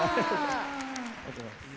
ありがとうございます。